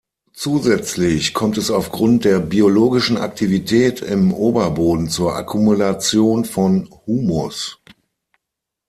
Zusätzlich kommt es aufgrund der biologischen Aktivität im Oberboden zur Akkumulation von Humus.